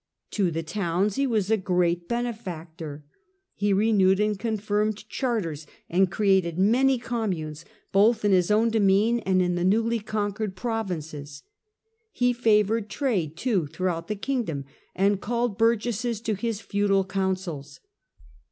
To the towns he was a great benefactor. He renewed and confirmed charters and created many communes, both in his own demesne and in the newly conquered provinces. He favoured trade, too, throughout the kingdom, and called burgesses to his feudal councils.